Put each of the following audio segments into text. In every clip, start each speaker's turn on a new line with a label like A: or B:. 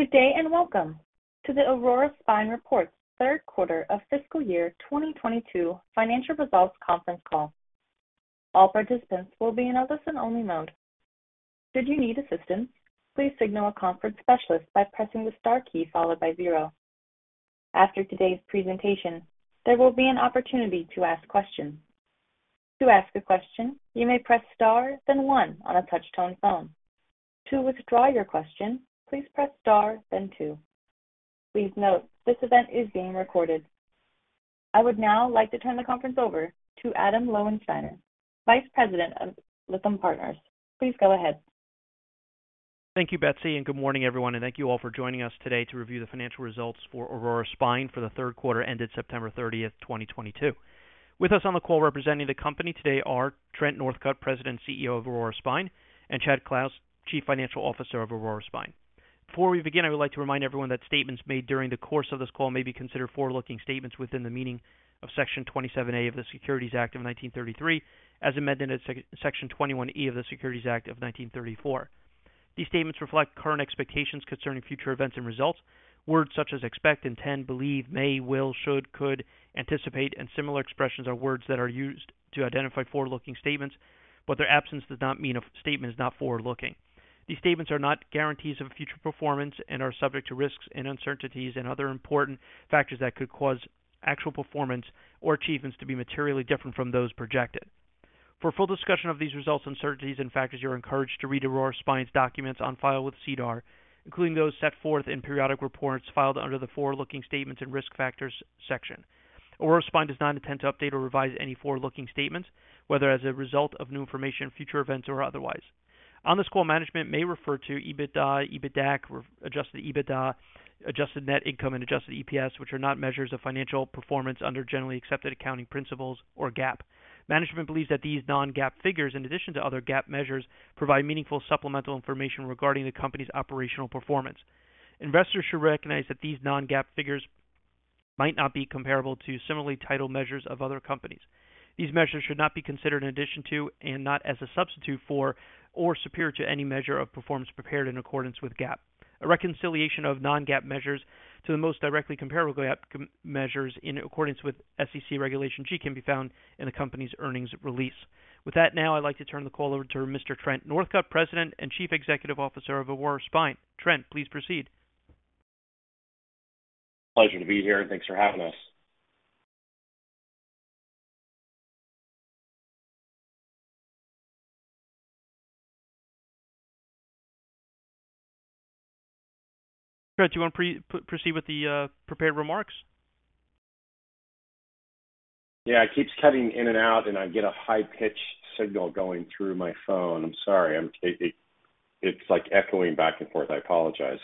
A: Good day. Welcome to the Aurora Spine Reports third quarter of fiscal year 2022 financial results conference call. All participants will be in a listen only mode. Should you need assistance, please signal a conference specialist by pressing the star key followed by zero. After today's presentation, there will be an opportunity to ask questions. To ask a question, you may press star then one on a touch-tone phone. To withdraw your question, please press star then two. Please note, this event is being recorded. I would now like to turn the conference over to Adam Lowensteiner, Vice President of Lytham Partners. Please go ahead.
B: Thank you, Betsy, and good morning, everyone, and thank you all for joining us today to review the financial results for Aurora Spine for the third quarter ended September 30th, 2022. With us on the call representing the company today are Trent Northcutt, President, CEO of Aurora Spine, and Chad Clouse, Chief Financial Officer of Aurora Spine. Before we begin, I would like to remind everyone that statements made during the course of this call may be considered forward-looking statements within the meaning of Section 27A of the Securities Act of 1933 as amended in Section 21E of the Securities Exchange Act of 1934. These statements reflect current expectations concerning future events and results. Words such as expect, intend, believe, may, will, should, could, anticipate, and similar expressions are words that are used to identify forward-looking statements, but their absence does not mean a statement is not forward-looking. These statements are not guarantees of future performance and are subject to risks and uncertainties and other important factors that could cause actual performance or achievements to be materially different from those projected. For a full discussion of these results, uncertainties and factors, you're encouraged to read Aurora Spine's documents on file with SEDAR, including those set forth in periodic reports filed under the Forward-Looking Statements and Risk Factors section. Aurora Spine does not intend to update or revise any forward-looking statements, whether as a result of new information, future events, or otherwise. On this call, management may refer to EBITDA, EBITDAC, or adjusted EBITDA, adjusted net income and adjusted EPS, which are not measures of financial performance under generally accepted accounting principles or GAAP. Management believes that these non-GAAP figures, in addition to other GAAP measures, provide meaningful supplemental information regarding the company's operational performance. Investors should recognize that these non-GAAP figures might not be comparable to similarly titled measures of other companies. These measures should not be considered in addition to and not as a substitute for or superior to any measure of performance prepared in accordance with GAAP. A reconciliation of non-GAAP measures to the most directly comparable GAAP measures in accordance with SEC Regulation G can be found in the company's earnings release. With that now, I'd like to turn the call over to Mr. Trent Northcutt, President and Chief Executive Officer of Aurora Spine. Trent, please proceed.
C: Pleasure to be here, and thanks for having us.
B: Trent, do you want to proceed with the prepared remarks?
C: Yeah, it keeps cutting in and out, and I get a high-pitched signal going through my phone. I'm sorry. I'm it's like echoing back and forth. I apologize.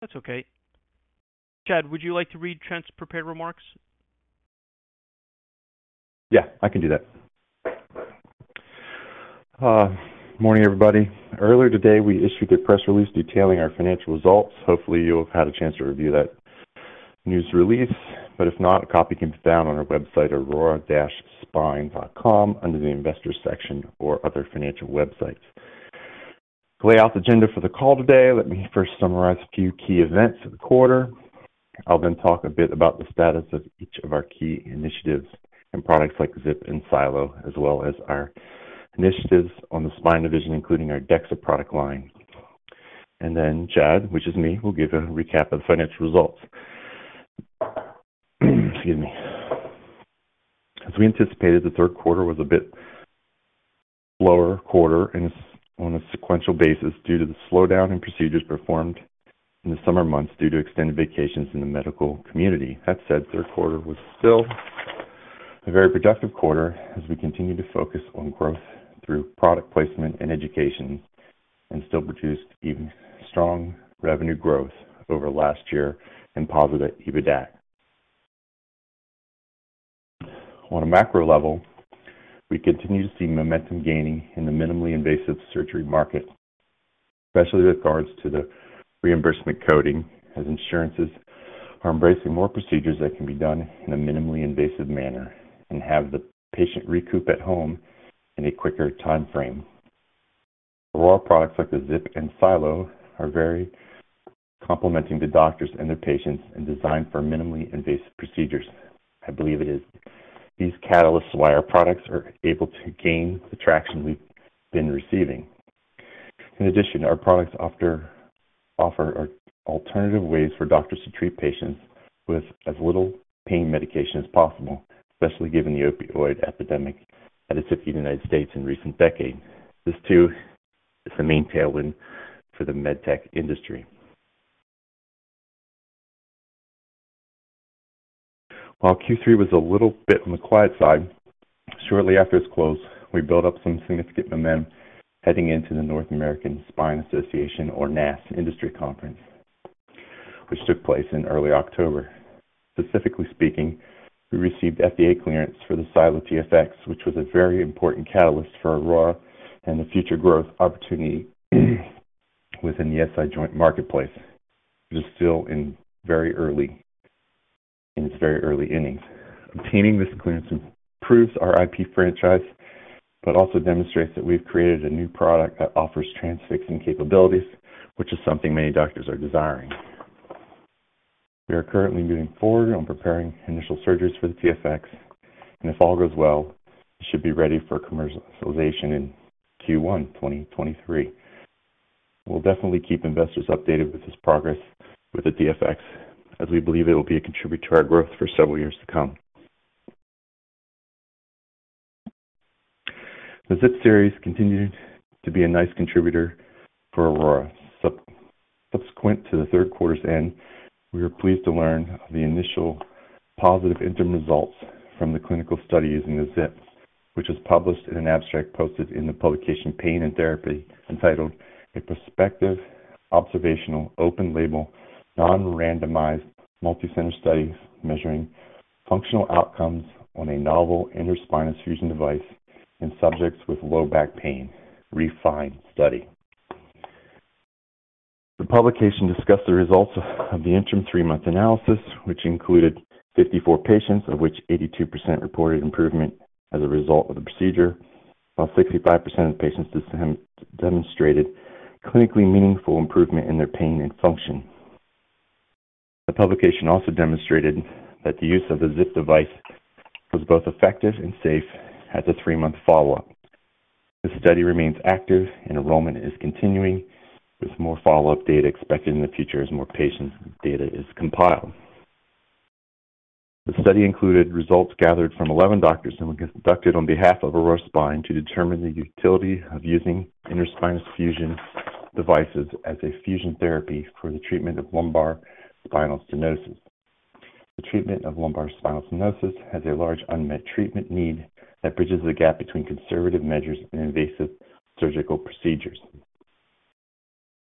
B: That's okay. Chad, would you like to read Trent's prepared remarks?
D: Yeah, I can do that. Morning, everybody. Earlier today, we issued a press release detailing our financial results. Hopefully, you'll have had a chance to review that news release. If not, a copy can be found on our website, aurora-spine.com, under the Investors section or other financial websites. To lay out the agenda for the call today, let me first summarize a few key events for the quarter. I'll talk a bit about the status of each of our key initiatives and products like ZIP and SiLO, as well as our initiatives on the spine division, including our DEXA product line. Chad, which is me, will give a recap of the financial results. Excuse me. As we anticipated, the third quarter was a bit lower quarter and it's on a sequential basis due to the slowdown in procedures performed in the summer months due to extended vacations in the medical community. That said, third quarter was still a very productive quarter as we continue to focus on growth through product placement and education and still produced even strong revenue growth over last year and positive EBITDAC. On a macro level, we continue to see momentum gaining in the minimally invasive surgery market, especially with regards to the reimbursement coding, as insurances are embracing more procedures that can be done in a minimally invasive manner and have the patient recoup at home in a quicker timeframe. Aurora products like the ZIP and SiLO are very complementing the doctors and their patients and designed for minimally invasive procedures. I believe it is these catalysts why our products are able to gain the traction we've been receiving. In addition, our products offer alternative ways for doctors to treat patients with as little pain medication as possible, especially given the opioid epidemic that has hit the United States in recent decade. This too is the main tailwind for the med tech industry. While Q3 was a little bit on the quiet side, shortly after its close, we built up some significant momentum heading into the North American Spine Society or NASS Industry Conference, which took place in early October. Specifically speaking, we received FDA clearance for the SiLO TFX, which was a very important catalyst for Aurora and the future growth opportunity within the SI joint marketplace. It is still in very early. In its very early innings. Obtaining this clearance improves our IP franchise, but also demonstrates that we've created a new product that offers transfixing capabilities, which is something many doctors are desiring. We are currently moving forward on preparing initial surgeries for the TFX, and if all goes well, it should be ready for commercialization in Q1 2023. We'll definitely keep investors updated with this progress with the TFX, as we believe it will be a contributor to our growth for several years to come. The ZIP series continued to be a nice contributor for Aurora. Sub-subsequent to the third quarter's end, we were pleased to learn of the initial positive interim results from the clinical study using the ZIP, which was published in an abstract posted in the publication Pain and Therapy, entitled A Prospective Observational Open-Label Non-Randomized Multicenter Study Measuring Functional Outcomes on a Novel Interspinous Fusion Device in Subjects with Low Back Pain: REFINE study. The publication discussed the results of the interim three-month analysis, which included 54 patients, of which 82% reported improvement as a result of the procedure, while 65% of patients demonstrated clinically meaningful improvement in their pain and function. The publication also demonstrated that the use of the ZIP device was both effective and safe at the three-month follow-up. The study remains active and enrollment is continuing, with more follow-up data expected in the future as more patient data is compiled. The study included results gathered from 11 doctors and was conducted on behalf of Aurora Spine to determine the utility of using interspinous fusion devices as a fusion therapy for the treatment of lumbar spinal stenosis. The treatment of lumbar spinal stenosis has a large unmet treatment need that bridges the gap between conservative measures and invasive surgical procedures.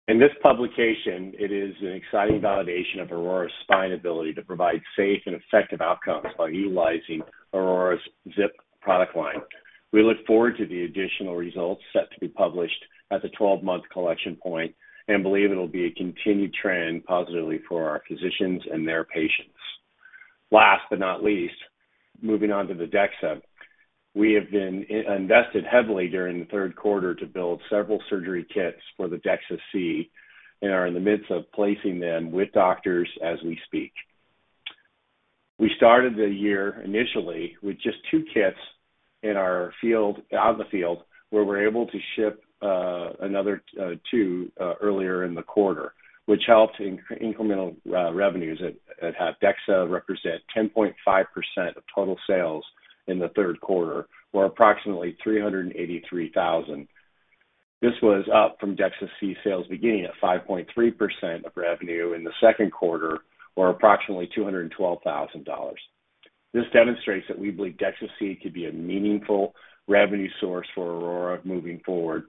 C: In this publication, it is an exciting validation of Aurora Spine's ability to provide safe and effective outcomes by utilizing Aurora's ZIP product line. We look forward to the additional results set to be published at the 12-month collection point and believe it'll be a continued trend positively for our physicians and their patients. Last but not least, moving on to the DEXA. We have been invested heavily during the third quarter to build several surgery kits for the DEXA-C and are in the midst of placing them with doctors as we speak. We started the year initially with just two kits out in the field, where we're able to ship another two earlier in the quarter, which helped incremental revenues that have DEXA represent 10.5% of total sales in the third quarter or approximately $383,000. This was up from DEXA-C sales beginning at 5.3% of revenue in the second quarter, or approximately $212,000. This demonstrates that we believe DEXA-C to be a meaningful revenue source for Aurora moving forward.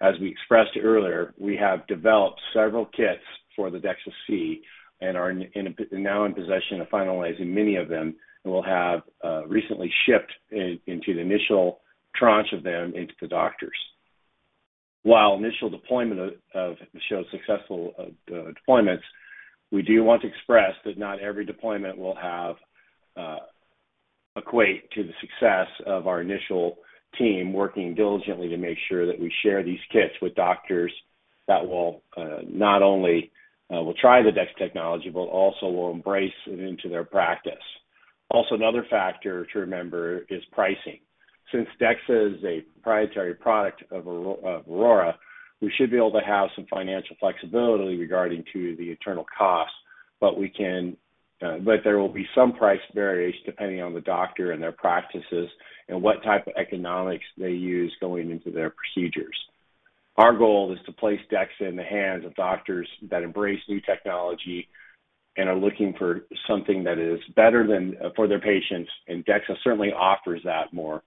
C: As we expressed earlier, we have developed several kits for the DEXA-C and are now in possession of finalizing many of them, and we'll have recently shipped into the initial tranche of them into the doctors. While initial deployment of show successful deployments, we do want to express that not every deployment will have equate to the success of our initial team working diligently to make sure that we share these kits with doctors that will not only will try the DEXA technology, but also will embrace it into their practice. Also, another factor to remember is pricing. Since DEXA is a proprietary product of Aurora, we should be able to have some financial flexibility regarding to the internal costs. There will be some price variance depending on the doctor and their practices and what type of economics they use going into their procedures. Our goal is to place DEXA in the hands of doctors that embrace new technology and are looking for something that is better than for their patients. DEXA certainly offers that more.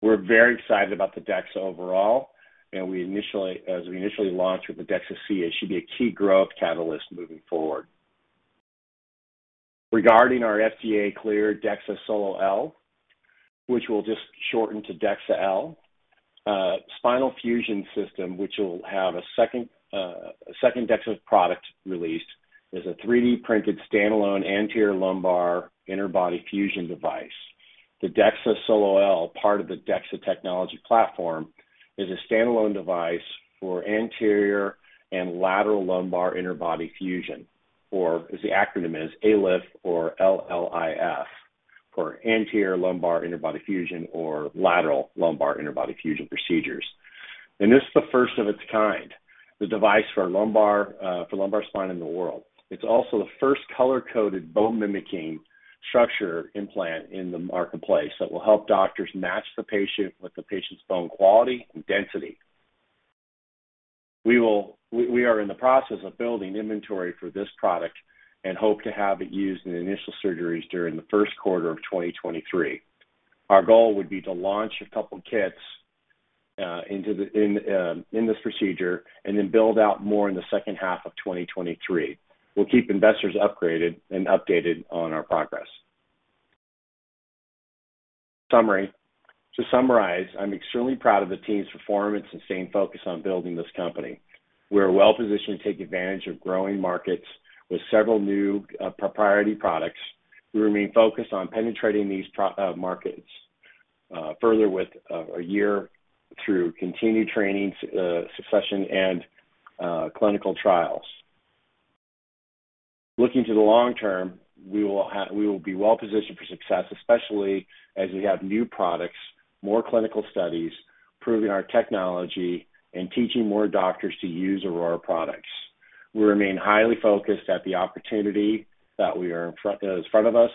C: We're very excited about the DEXA overall, and as we initially launch with the DEXA-C, it should be a key growth catalyst moving forward. Regarding our FDA-cleared DEXA SOLO-L, which we'll just shorten to DEXA-L, spinal fusion system, which will have a second DEXA product released, is a 3D printed stand-alone anterior lumbar interbody fusion device. The DEXA SOLO-L, part of the DEXA technology platform, is a stand-alone device for anterior and lateral lumbar interbody fusion, or as the acronym is ALIF or LLIF, for anterior lumbar interbody fusion or lateral lumbar interbody fusion procedures. This is the first of its kind, the device for lumbar spine in the world. It's also the first color-coded bone mimicking structure implant in the marketplace that will help doctors match the patient with the patient's bone quality and density. We are in the process of building inventory for this product and hope to have it used in initial surgeries during the first quarter of 2023. Our goal would be to launch a couple kits into this procedure and then build out more in the second half of 2023. We'll keep investors upgraded and updated on our progress. Summary. To summarize, I'm extremely proud of the team's performance and staying focused on building this company. We are well-positioned to take advantage of growing markets with several new proprietary products. We remain focused on penetrating these markets further with a year through continued training, succession, and clinical trials. Looking to the long term, we will be well-positioned for success, especially as we have new products, more clinical studies, improving our technology, and teaching more doctors to use Aurora products. We remain highly focused at the opportunity that is in front of us,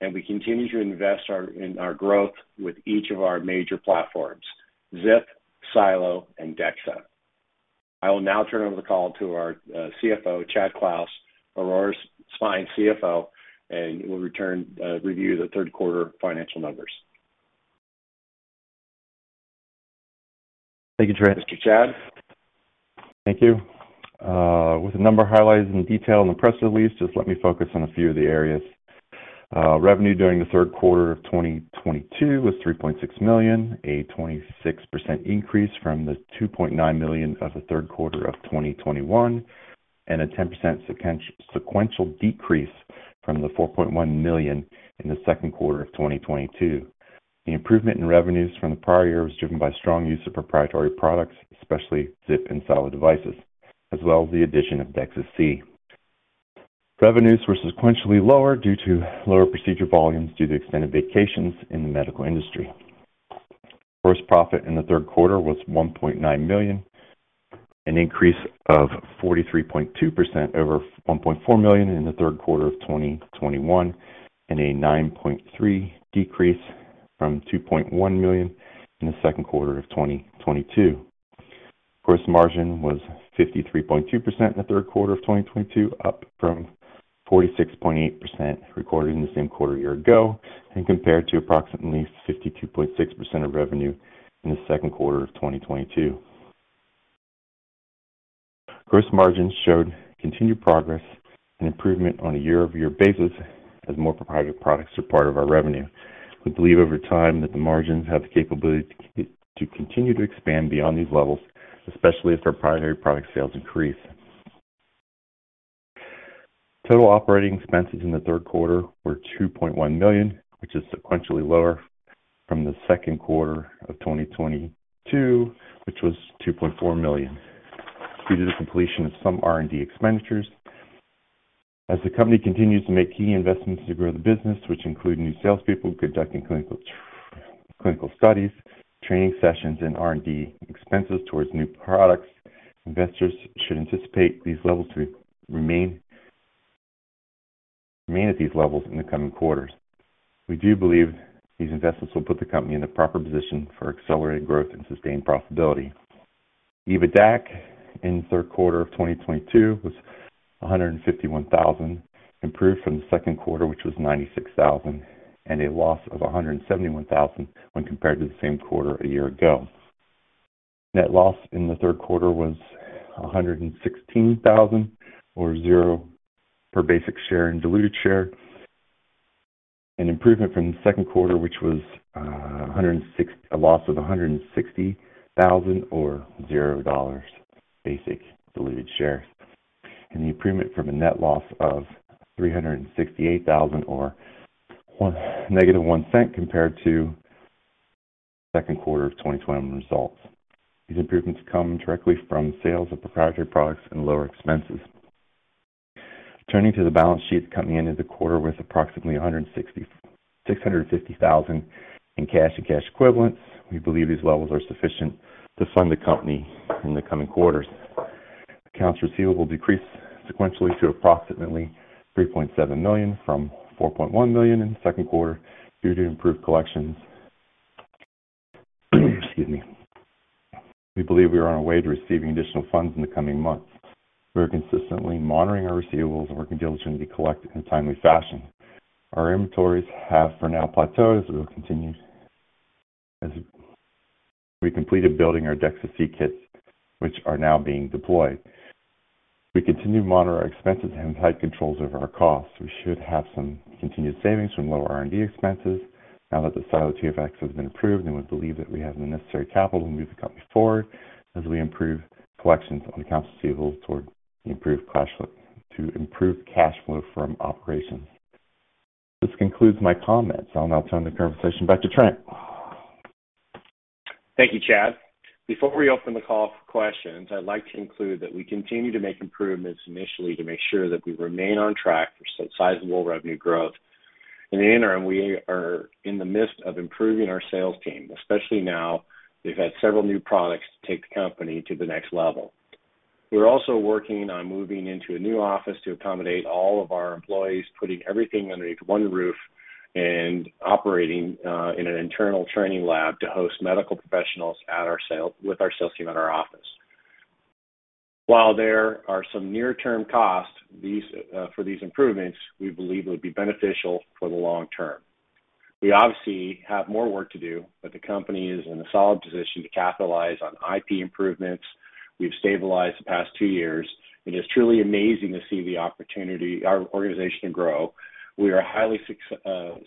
C: and we continue to invest in our growth with each of our major platforms, ZIP, SiLO, and DEXA. I will now turn over the call to our CFO, Chad Clouse, Aurora Spine's CFO, and he will review the third quarter financial numbers.
D: Thank you, Trent.
B: Mr. Chad.
D: Thank you. With a number of highlights and detail in the press release, just let me focus on a few of the areas. Revenue during the third quarter of 2022 was $3.6 million, a 26% increase from the $2.9 million of the third quarter of 2021, and a 10% sequential decrease from the $4.1 million in the second quarter of 2022. The improvement in revenues from the prior year was driven by strong use of proprietary products, especially ZIP and SiLO devices, as well as the addition of DEXA-C. Revenues were sequentially lower due to lower procedure volumes due to extended vacations in the medical industry. Gross profit in the third quarter was $1.9 million, an increase of 43.2% over $1.4 million in the third quarter of 2021, and a 9.3% decrease from $2.1 million in the second quarter of 2022. Gross margin was 53.2% in the third quarter of 2022, up from 46.8% recorded in the same quarter a year ago, and compared to approximately 52.6% of revenue in the second quarter of 2022. Gross margins showed continued progress and improvement on a year-over-year basis as more proprietary products are part of our revenue. We believe over time that the margins have the capability to continue to expand beyond these levels, especially if their primary product sales increase. Total operating expenses in the third quarter were $2.1 million, which is sequentially lower from the second quarter of 2022, which was $2.4 million due to the completion of some R&D expenditures. The company continues to make key investments to grow the business, which include new salespeople conducting clinical studies, training sessions, and R&D expenses towards new products, investors should anticipate these levels to remain at these levels in the coming quarters. We do believe these investments will put the company in the proper position for accelerated growth and sustained profitability. EBITDA in the third quarter of 2022 was $151,000, improved from the second quarter, which was $96,000, and a loss of $171,000 when compared to the same quarter a year ago. Net loss in the third quarter was $116,000, or zero per basic share and diluted share, an improvement from the second quarter, which was a loss of $160,000 or $0 basic diluted share. The improvement from a net loss of $368,000 or negative $0.01 compared to second quarter of 2021 results. These improvements come directly from sales of proprietary products and lower expenses. Turning to the balance sheet, the company ended the quarter with approximately $650,000 in cash and cash equivalents. We believe these levels are sufficient to fund the company in the coming quarters. Accounts receivable decreased sequentially to approximately $3.7 million from $4.1 million in the second quarter due to improved collections. Excuse me. We believe we are on our way to receiving additional funds in the coming months. We are consistently monitoring our receivables and working diligently to be collected in a timely fashion. Our inventories have, for now, plateaued as we completed building our DEXA-C kits, which are now being deployed. We continue to monitor our expenses and tight controls over our costs. We should have some continued savings from lower R&D expenses now that the SiLO TFX has been approved. We believe that we have the necessary capital to move the company forward as we improve collections on accounts receivable to improve cash flow from operations. This concludes my comments. I'll now turn the conversation back to Trent.
C: Thank you, Chad. Before we open the call for questions, I'd like to conclude that we continue to make improvements initially to make sure that we remain on track for sizable revenue growth. In the interim, we are in the midst of improving our sales team, especially now we've had several new products to take the company to the next level. We're also working on moving into a new office to accommodate all of our employees, putting everything underneath one roof and operating in an internal training lab to host medical professionals with our sales team at our office. While there are some near-term costs, these for these improvements, we believe will be beneficial for the long term. We obviously have more work to do, but the company is in a solid position to capitalize on IP improvements. We've stabilized the past two years, and it's truly amazing to see the opportunity, our organization to grow. We are highly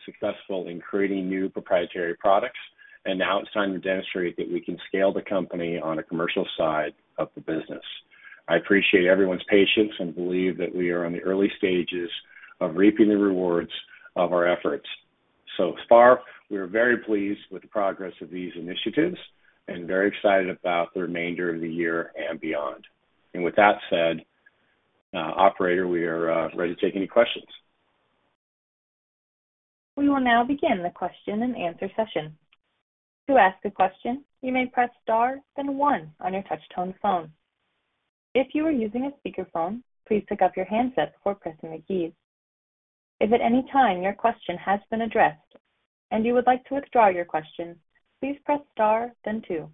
C: successful in creating new proprietary products, and now it's time to demonstrate that we can scale the company on a commercial side of the business. I appreciate everyone's patience and believe that we are on the early stages of reaping the rewards of our efforts. So far, we are very pleased with the progress of these initiatives and very excited about the remainder of the year and beyond. With that said, operator, we are ready to take any questions.
A: We will now begin the question-and-answer session. To ask a question, you may press star then one on your touch-tone phone. If you are using a speakerphone, please pick up your handset before pressing the keys. If at any time your question has been addressed and you would like to withdraw your question, please press star then two.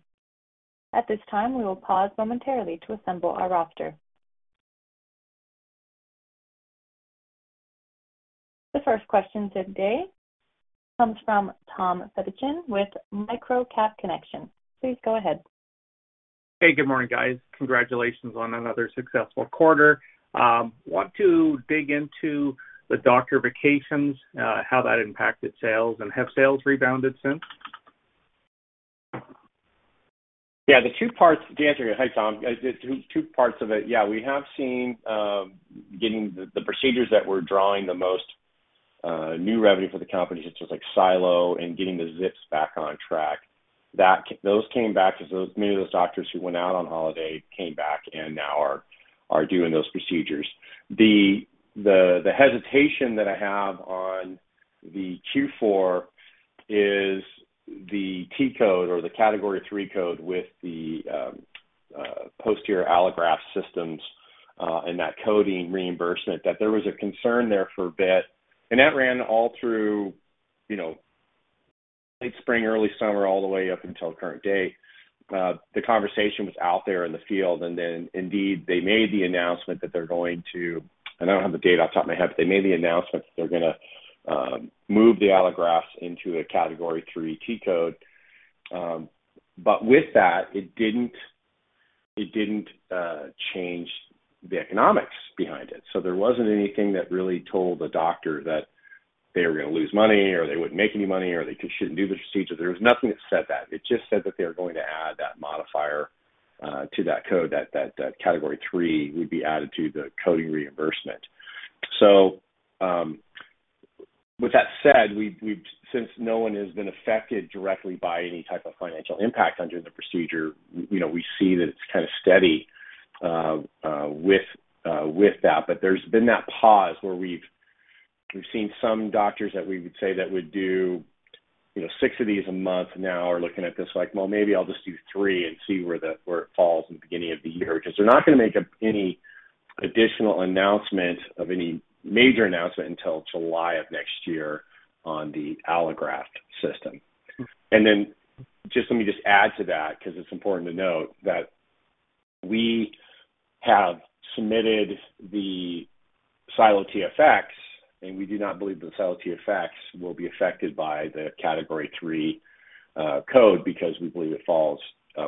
A: At this time, we will pause momentarily to assemble our roster. The first question today comes from Tom Fedichin with MicroCap Connection. Please go ahead.
E: Hey, good morning, guys. Congratulations on another successful quarter. Want to dig into the doctor vacations, how that impacted sales, and have sales rebounded since?
C: The two parts to answer. Hi, Tom. The two parts of it. We have seen getting the procedures that we're drawing the most new revenue for the company, such as like SiLO and getting the ZIPs back on track. Those came back 'cause many of those doctors who went out on holiday came back and now are doing those procedures. The hesitation that I have on the Q4 is the T-code or the Category III code with the posterior allograft systems and that coding reimbursement that there was a concern there for a bit. That ran all through, you know, late spring, early summer, all the way up until current day. The conversation was out there in the field, indeed, they made the announcement that they're going to... I don't have the date off the top of my head, but they made the announcement that they're gonna move the allografts into a Category III T-code. With that, it didn't, it didn't change the economics behind it. There wasn't anything that really told the doctor that they were gonna lose money or they wouldn't make any money or they shouldn't do the procedure. There was nothing that said that. It just said that they were going to add that modifier to that code, that Category III would be added to the coding reimbursement. With that said, we've since no one has been affected directly by any type of financial impact under the procedure, you know, we see that it's kind of steady with that. There's been that pause where we've seen some doctors that we would say that would do, you know, 6 of these a month now are looking at this like, "Well, maybe I'll just do 3 and see where it falls in the beginning of the year." 'Cause they're not gonna make up any additional announcement of any major announcement until July of next year on the allograft system. Just let me just add to that, 'cause it's important to note that we have submitted the SiLO TFX, and we do not believe that the SiLO TFX will be affected by the Category III code because we believe it falls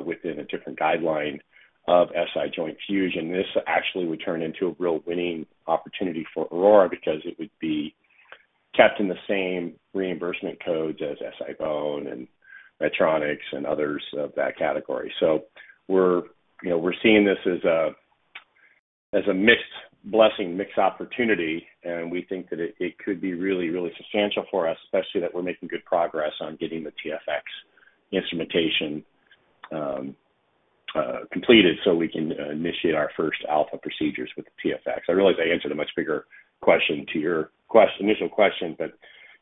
C: within a different guideline of SI joint fusion. This actually would turn into a real winning opportunity for Aurora Spine because it would be kept in the same reimbursement codes as SI-BONE and Medtronic and others of that category. We're, you know, we're seeing this as a, as a mixed blessing, mixed opportunity, and we think that it could be really substantial for us, especially that we're making good progress on getting the TFX instrumentation completed so we can initiate our first alpha procedures with the TFX. I realize I answered a much bigger question to your initial question, but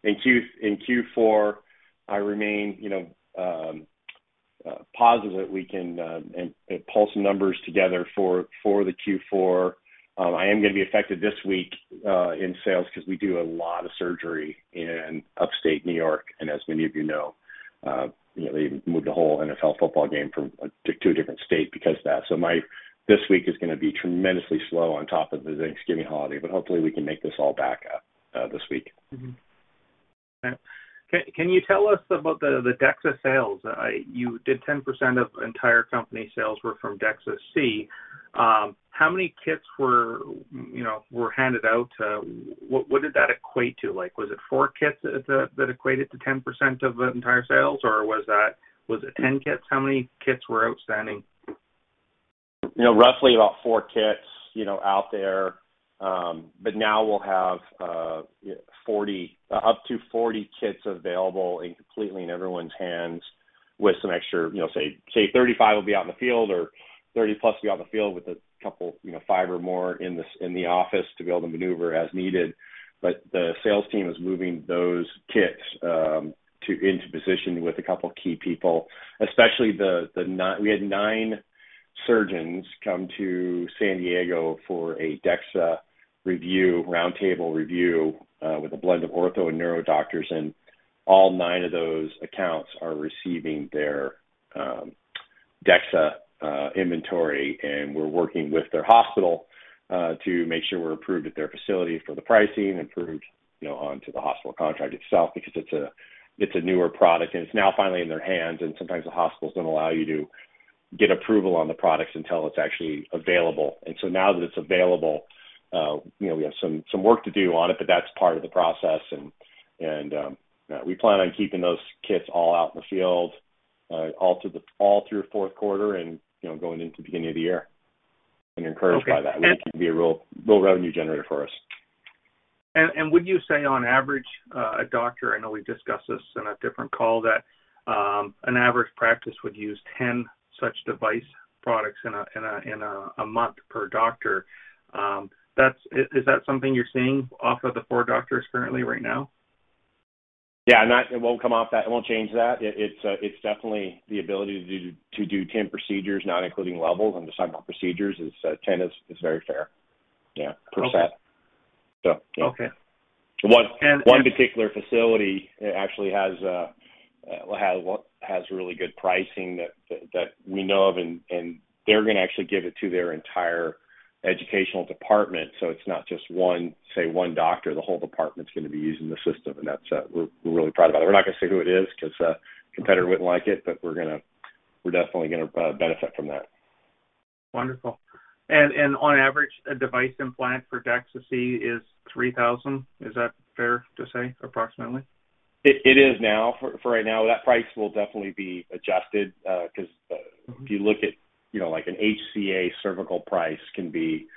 C: in Q4, I remain, you know, positive that we can pull some numbers together for the Q4. I am gonna be affected this week in sales 'cause we do a lot of surgery in Upstate New York. As many of you know, you know, they moved the whole NFL football game from, to a different state because of that. This week is gonna be tremendously slow on top of the Thanksgiving holiday, but hopefully, we can make this all back up, this week.
E: Can you tell us about the DEXA sales? You did 10% of entire company sales were from DEXA-C. How many kits were, you know, were handed out? What did that equate to? Like, was it 4 kits, that equated to 10% of the entire sales, or was it 10 kits? How many kits were outstanding?
C: You know, roughly about 4 kits, you know, out there. Now we'll have, you know, 40, up to 40 kits available and completely in everyone's hands with some extra, you know, 35 will be out in the field, or 30-plus will be out in the field with a couple, you know, 5 or more in the office to be able to maneuver as needed. The sales team is moving those kits into position with a couple of key people, especially we had 9 surgeons come to San Diego for a DEXA review, roundtable review, with a blend of ortho and neuro doctors, and all 9 of those accounts are receiving their DEXA inventory, and we're working with their hospital to make sure we're approved at their facility for the pricing, approved, you know, onto the hospital contract itself because it's a, it's a newer product, and it's now finally in their hands, and sometimes the hospitals don't allow you to get approval on the products until it's actually available. Now that it's available, you know, we have some work to do on it, but that's part of the process. We plan on keeping those kits all out in the field, all through fourth quarter and, you know, going into the beginning of the year.
E: Okay.
C: We're encouraged by that. We think it can be a real revenue generator for us.
E: Would you say on average, a doctor, I know we discussed this in a different call that, an average practice would use 10 such device products in a month per doctor. Is that something you're seeing off of the 4 doctors currently right now?
C: Yeah. It won't come off that. It won't change that. It's, it's definitely the ability to do 10 procedures, not including levels and the spinal procedures is 10 is very fair. Yeah.
E: Okay.
C: Per set. Yeah.
E: Okay.
C: One particular facility actually has really good pricing that we know of, and they're gonna actually give it to their entire educational department. It's not just one, say, one doctor, the whole department's gonna be using the system, and that's, we're really proud about it. We're not gonna say who it is 'cause a competitor wouldn't like it, but we're definitely gonna benefit from that.
E: Wonderful. On average, a device implant for DEXA-C is $3,000. Is that fair to say approximately?
C: It is now. For right now. That price will definitely be adjusted, 'cause, if you look at, you know, like an HCA cervical price can be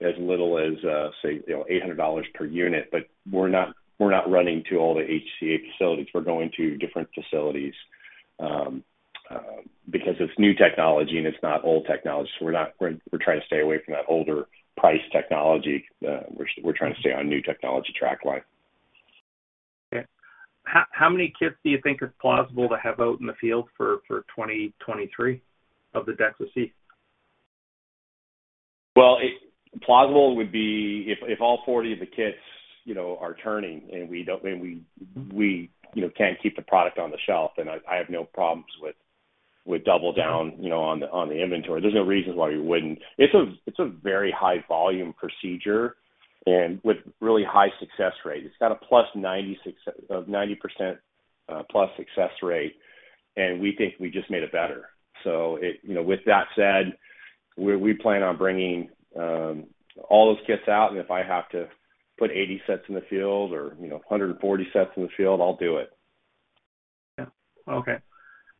C: as little as, say, you know, $800 per unit. We're not running to all the HCA facilities. We're going to different facilities, because it's new technology and it's not old technology, so we're trying to stay away from that older price technology. We're trying to stay on new technology track line.
E: Okay. how many kits do you think are plausible to have out in the field for 2023 of the DEXA-C?
C: Plausible would be if all 40 of the kits, you know, are turning and we, you know, can't keep the product on the shelf, then I have no problems with double down, you know, on the inventory. There's no reason why we wouldn't. It's a very high volume procedure and with really high success rate. It's got a plus 90% plus success rate, and we think we just made it better. You know, with that said, we plan on bringing all those kits out, and if I have to put 80 sets in the field or, you know, 140 sets in the field, I'll do it.
E: Yeah. Okay.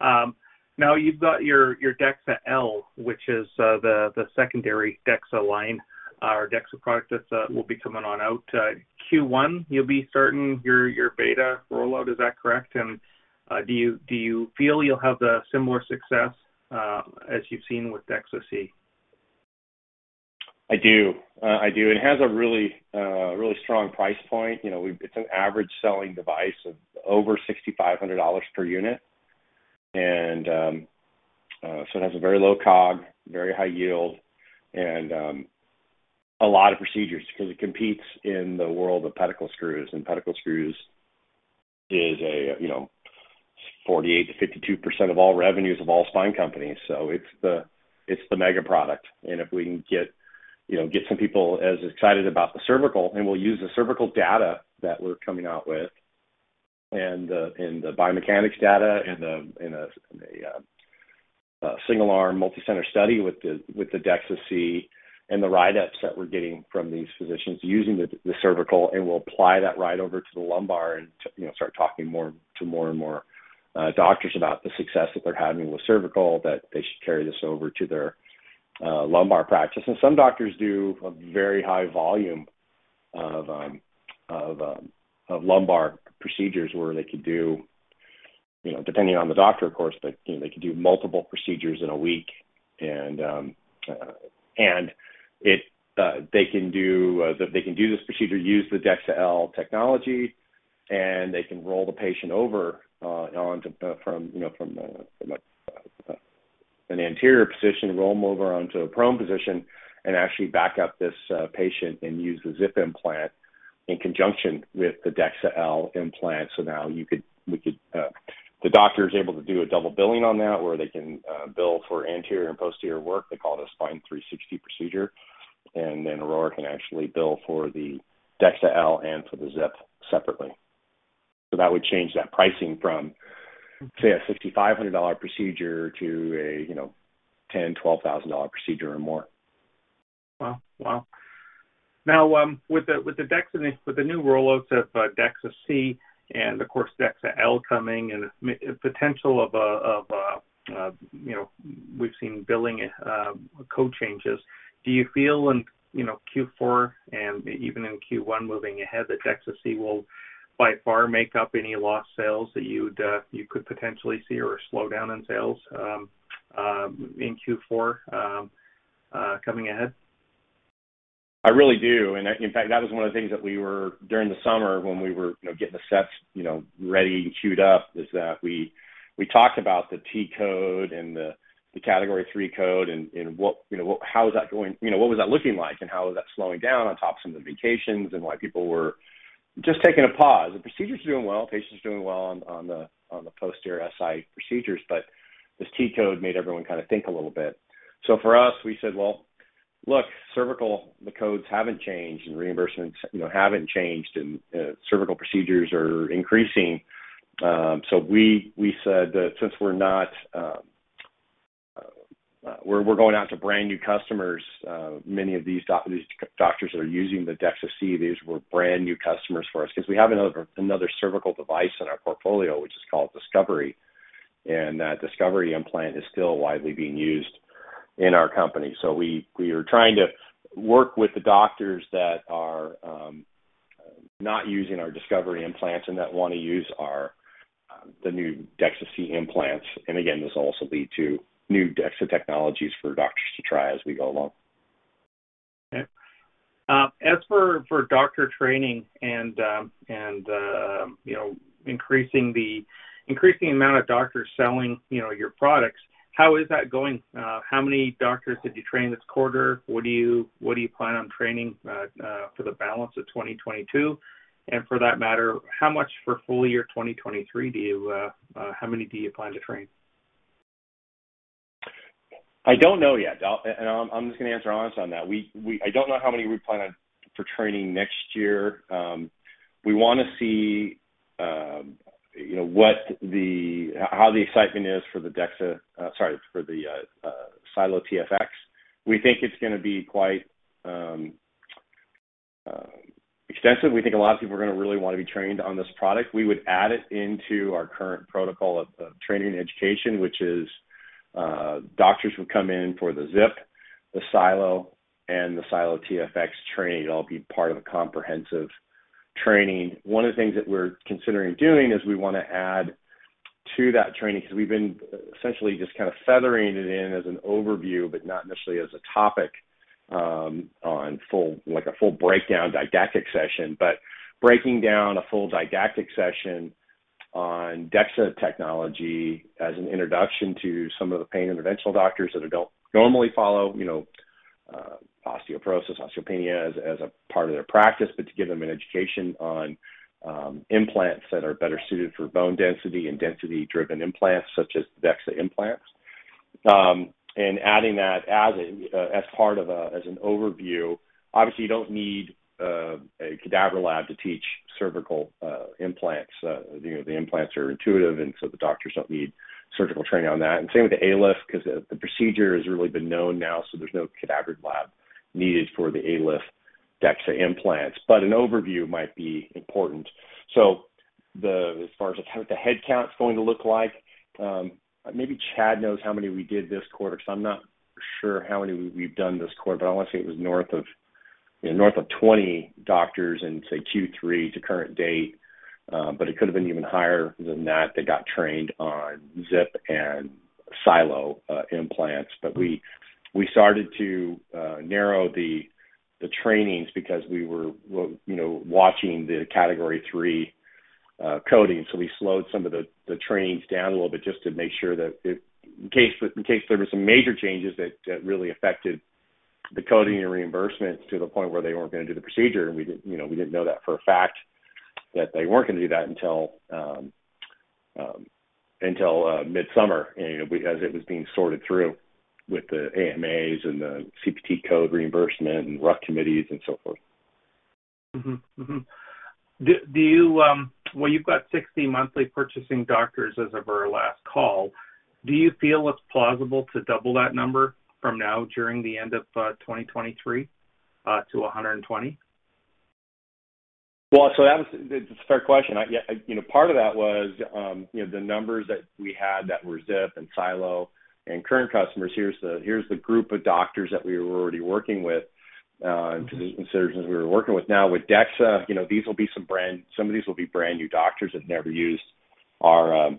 E: now you've got your DEXA-L, which is the secondary DEXA line or DEXA product that's will be coming on out. Q1, you'll be starting your beta rollout. Is that correct? Do you feel you'll have the similar success as you've seen with DEXA-C?
C: I do. I do. It has a really, really strong price point. You know, it's an average selling device of over $6,500 per unit. It has a very low COG, very high yield, and a lot of procedures 'cause it competes in the world of pedicle screws, and pedicle screws is a, you know, 48%-52% of all revenues of all spine companies. It's the, it's the mega product. If we can get, you know, some people as excited about the cervical, and we'll use the cervical data that we're coming out with and the biomechanics data and a single-arm multi-center study with the DEXA-C and the write-ups that we're getting from these physicians using the cervical, and we'll apply that right over to the lumbar and you know, start talking more and more doctors about the success that they're having with cervical, that they should carry this over to their lumbar practice. Some doctors do a very high volume of lumbar procedures where they could do, you know, depending on the doctor, of course, but, you know, they could do multiple procedures in a week. It, they can do this procedure, use the DEXA technology, and they can roll the patient over onto from, you know, from a, like a, an anterior position, roll them over onto a prone position and actually back up this patient and use the ZIP implant in conjunction with the DEXA implant. Now we could. The doctor is able to do a double billing on that, where they can bill for anterior and posterior work. They call it a Spine 360 procedure. Aurora can actually bill for the DEXA and for the ZIP separately. That would change that pricing from, say, a $6,500 procedure to a, you know, $10,000-$12,000 procedure or more.
E: Wow. Wow. Now, with the DEXA and with the new rollouts of DEXA-C and of course DEXA-L coming and it's a potential of a, you know, we've seen billing code changes. Do you feel in, you know, Q4 and even in Q1 moving ahead, that DEXA-C will by far make up any lost sales that you'd, you could potentially see or slow down in sales in Q4 coming ahead?
C: I really do. In fact, that was one of the things that during the summer when we were, you know, getting the sets, you know, ready and queued up, is that we talked about the T-code and the Category III code and what, you know, how is that going, you know, what was that looking like and how is that slowing down on top of some of the vacations and why people were just taking a pause. The procedure's doing well, patient's doing well on the, on the posterior SI procedures, but this T-code made everyone kinda think a little bit. For us, we said, well-Look, cervical, the codes haven't changed and reimbursements, you know, haven't changed, and cervical procedures are increasing. We said that since we're not, we're going out to brand new customers, many of these doctors that are using the DEXA-C, these were brand new customers for us 'cause we have another cervical device in our portfolio, which is called Discovery. That Discovery implant is still widely being used in our company. We are trying to work with the doctors that are not using our Discovery implants and that wanna use our the new DEXA-C implants. Again, this will also lead to new DEXA technologies for doctors to try as we go along.
E: Okay. As for doctor training and, you know, increasing the amount of doctors selling, you know, your products, how is that going? How many doctors did you train this quarter? What do you plan on training for the balance of 2022? For that matter, how much for full year 2023 do you plan to train?
C: I don't know yet. I'm just gonna answer honest on that. We don't know how many we plan on for training next year. We wanna see, you know, how the excitement is for the SiLO TFX. We think it's gonna be quite extensive. We think a lot of people are gonna really wanna be trained on this product. We would add it into our current protocol of training and education, which is, doctors would come in for the ZIP, the SiLO, and the SiLO TFX training. It'll all be part of a comprehensive training. One of the things that we're considering doing is we wanna add to that training, 'cause we've been essentially just kind of feathering it in as an overview, but not necessarily as a topic, on full, like a full breakdown didactic session. Breaking down a full didactic session on DEXA technology as an introduction to some of the pain interventional doctors that don't normally follow, you know, osteoporosis, osteopenia as a part of their practice. To give them an education on implants that are better suited for bone density and density-driven implants such as DEXA implants. Adding that as a part of an overview. Obviously, you don't need a cadaver lab to teach cervical implants. You know, the implants are intuitive, and so the doctors don't need surgical training on that. Same with the ALIF 'cause the procedure has really been known now, so there's no cadaver lab needed for the ALIF DEXA implants. An overview might be important. As far as the count, the head count's going to look like, maybe Chad Clouse knows how many we did this quarter, so I'm not sure how many we've done this quarter. I wanna say it was north of, you know, north of 20 doctors in, say, Q3 to current date. But it could have been even higher than that got trained on ZIP and SiLO implants. We started to narrow the trainings because we were, you know, watching the Category III coding. We slowed some of the trainings down a little bit just to make sure that if in case there were some major changes that really affected the coding and reimbursement to the point where they weren't gonna do the procedure, and we didn't, you know, we didn't know that for a fact that they weren't gonna do that until midsummer as it was being sorted through with the AMAs and the CPT code reimbursement and RUC committees and so forth.
E: Mm-hmm. Mm-hmm. Do you, when you've got 60 monthly purchasing doctors as of our last call, do you feel it's plausible to double that number from now during the end of 2023, to 120?
C: It's a fair question. I, yeah, you know, part of that was, you know, the numbers that we had that were ZIP and SiLO and current customers. Here's the group of doctors that we were already working with.
E: Mm-hmm...
C: physicians we were working with. Now with DEXA, you know, some of these will be brand new doctors that never used our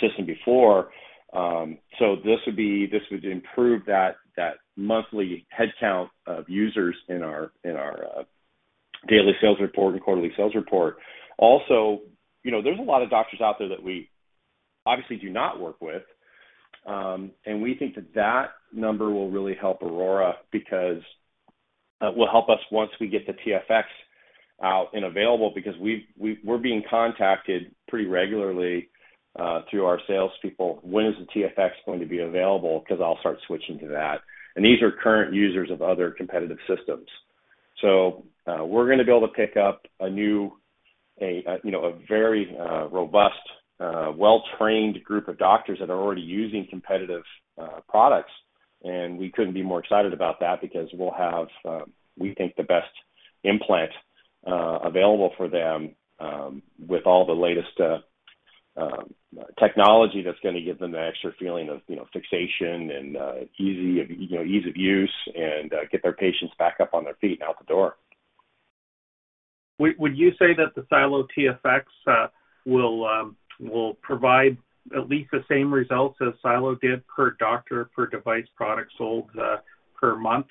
C: system before. So this would be, this would improve that monthly headcount of users in our, in our daily sales report and quarterly sales report. You know, there's a lot of doctors out there that we obviously do not work with. And we think that that number will really help Aurora because will help us once we get the TFX out and available because we're being contacted pretty regularly through our salespeople. "When is the TFX going to be available? 'Cause I'll start switching to that." These are current users of other competitive systems. We're gonna be able to pick up a new, you know, a very robust, well-trained group of doctors that are already using competitive products. We couldn't be more excited about that because we'll have, we think the best implant available for them, with all the latest technology that's gonna give them the extra feeling of, you know, fixation and easy, you know, ease of use and get their patients back up on their feet and out the door.
E: Would you say that the SiLO TFX will provide at least the same results as SiLO did per doctor, per device product sold per month?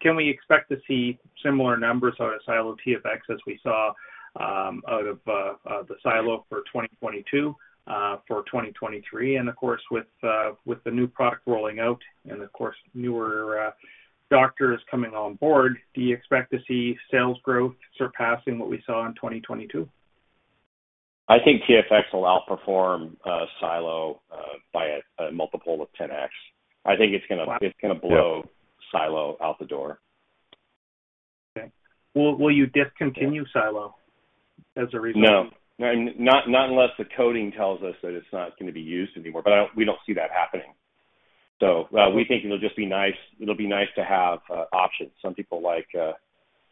E: Can we expect to see similar numbers out of SiLO TFX as we saw out of the SiLO for 2022, for 2023? Of course, with the new product rolling out and the course newer doctors coming on board, do you expect to see sales growth surpassing what we saw in 2022?
C: I think TFX will outperform SiLO by a multiple of 10x. Wow. It's gonna blow SiLO out the door.
E: Okay. Will you discontinue SiLO as a result?
C: No. Not unless the coding tells us that it's not gonna be used anymore. We don't see that happening. We think it'll just be nice, it'll be nice to have options. Some people like,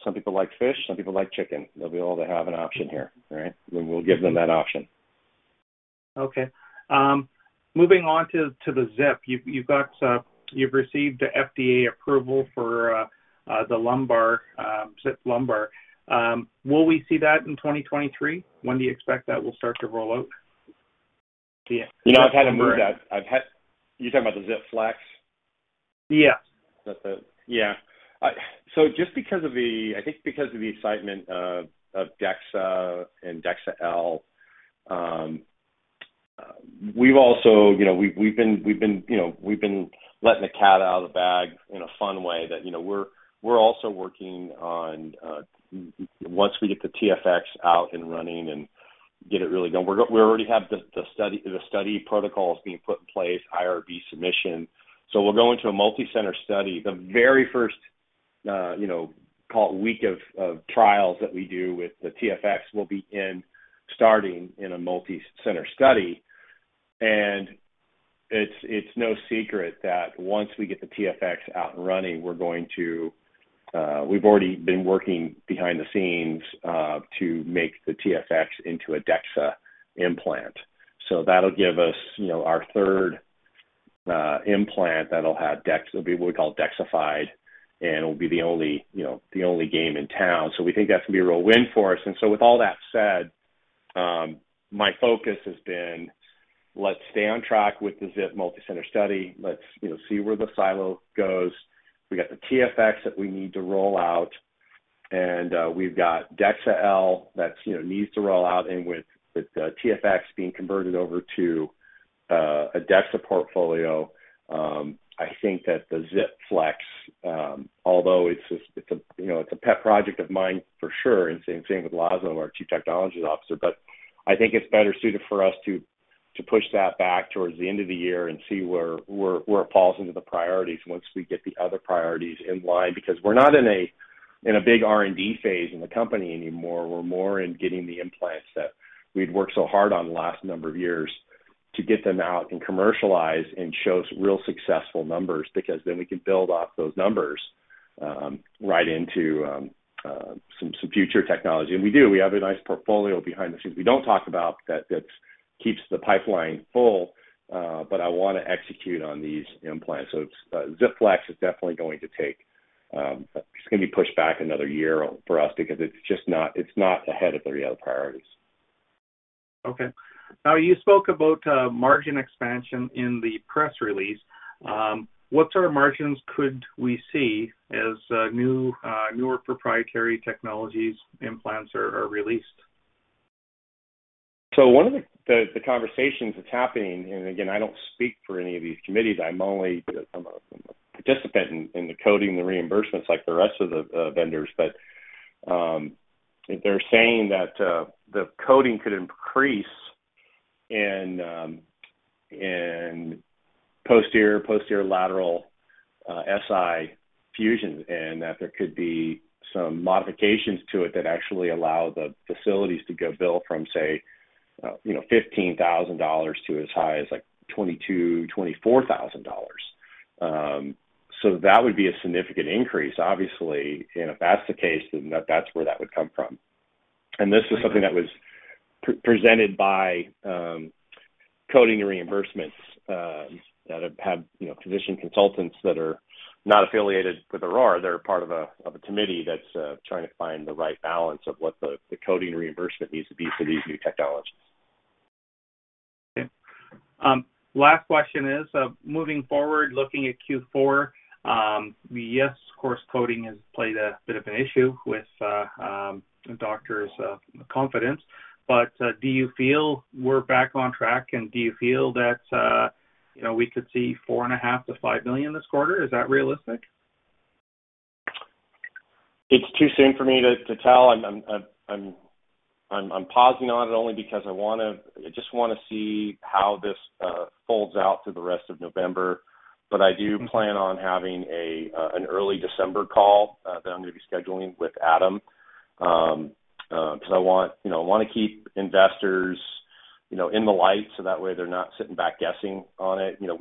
C: some people like fish, some people like chicken. They'll be able to have an option here, right? We'll give them that option.
E: Okay. Moving on to the ZIP. You've received a FDA approval for the lumbar ZIP lumbar. Will we see that in 2023? When do you expect that will start to roll out?
C: You know, I've had to move that. You talking about the ZIP FLEX?
E: Yeah.
C: Is that the... Yeah. I think because of the excitement of DEXA and DEXA-L, we've also, you know, we've been, you know, letting the cat out of the bag in a fun way that, you know, we're also working on, once we get the TFX out and running and get it really going, we already have the study protocols being put in place, IRB submission. We'll go into a multi-center study. The very first, you know, call it week of trials that we do with the TFX will be in starting in a multi-center study. It's, it's no secret that once we get the TFX out and running, we're going to, we've already been working behind the scenes, to make the TFX into a DEXA implant. That'll give us, you know, our third, implant that'll have DEXA, it'll be what we call Dexified, and it'll be the only, you know, the only game in town. We think that's gonna be a real win for us. With all that said, my focus has been, let's stay on track with the ZIP multi-center study. Let's, you know, see where the SiLO goes. We got the TFX that we need to roll out. We've got DEXA-L that's, you know, needs to roll out. With the TFX being converted over to a DEXA portfolio, I think that the ZIP FLEX, although it's a, you know, it's a pet project of mine for sure, and same with Laszlo, our Chief Technology Officer. I think it's better suited for us to push that back towards the end of the year and see where it falls into the priorities once we get the other priorities in line. We're not in a big R&D phase in the company anymore. We're more in getting the implants that we'd worked so hard on the last number of years to get them out and commercialize and show real successful numbers. Then we can build off those numbers, right into some future technology. We do. We have a nice portfolio behind the scenes we don't talk about that keeps the pipeline full. I wanna execute on these implants. ZIP FLEX is definitely gonna be pushed back another year for us because it's just not, it's not ahead of the other priorities.
E: Okay. You spoke about margin expansion in the press release. What sort of margins could we see as new newer proprietary technologies implants are released?
C: One of the conversations that's happening, and again, I don't speak for any of these committees, I'm only a participant in the coding, the reimbursements like the rest of the vendors. They're saying that the coding could increase in posterior, posterolateral, SI fusions, and that there could be some modifications to it that actually allow the facilities to go bill from say, you know, $15,000 to as high as like $22,000-$24,000. That would be a significant increase. Obviously, and if that's the case, then that's where that would come from. This is something that was presented by coding and reimbursements that have, you know, physician consultants that are not affiliated with Aurora. They're part of a committee that's trying to find the right balance of what the coding and reimbursement needs to be for these new technologies.
E: Okay. Last question is, moving forward, looking at Q4, yes, of course, coding has played a bit of an issue with doctors' confidence. Do you feel we're back on track, and do you feel that, you know, we could see $four and a half to $5 million this quarter? Is that realistic?
C: It's too soon for me to tell. I'm pausing on it only because I wanna, I just wanna see how this folds out through the rest of November. I do plan on having an early December call that I'm gonna be scheduling with Adam. 'Cause I want, you know, I wanna keep investors, you know, in the light, so that way they're not sitting back guessing on it. You know,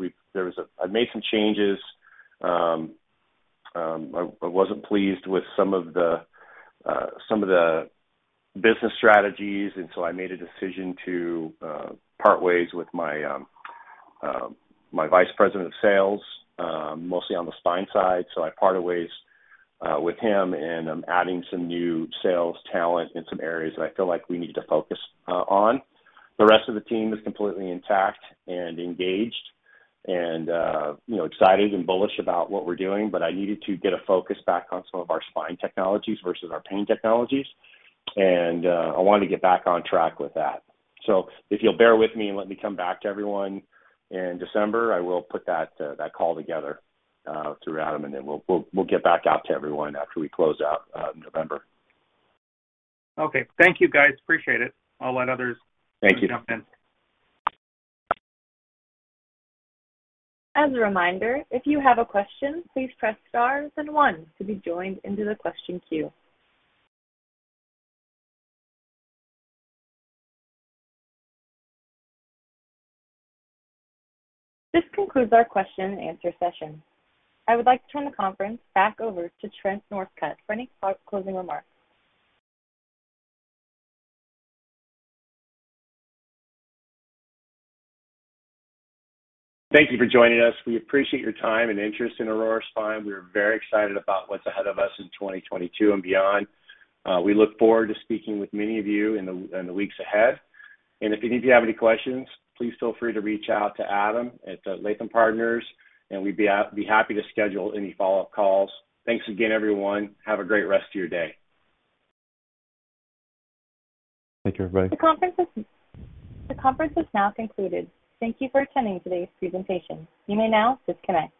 C: I made some changes. I wasn't pleased with some of the business strategies, and so I made a decision to part ways with my Vice President of Sales, mostly on the spine side. I parted ways with him, and I'm adding some new sales talent in some areas that I feel like we need to focus on. The rest of the team is completely intact and engaged and, you know, excited and bullish about what we're doing. I needed to get a focus back on some of our spine technologies versus our pain technologies. I wanted to get back on track with that. If you'll bear with me and let me come back to everyone in December, I will put that call together through Adam, and then we'll get back out to everyone after we close out November.
E: Okay. Thank you, guys. Appreciate it. I'll let others-
C: Thank you.
E: jump in.
A: As a reminder, if you have a question, please press Star and one to be joined into the question queue. This concludes our question and answer session. I would like to turn the conference back over to Trent Northcutt for any closing remarks.
C: Thank you for joining us. We appreciate your time and interest in Aurora Spine. We are very excited about what's ahead of us in 2022 and beyond. We look forward to speaking with many of you in the weeks ahead. If any of you have any questions, please feel free to reach out to Adam at Lytham Partners, and we'd be happy to schedule any follow-up calls. Thanks again, everyone. Have a great rest of your day.
D: Thank you, everybody.
A: The conference is now concluded. Thank you for attending today's presentation. You may now disconnect.